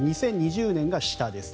２０２０年が下です。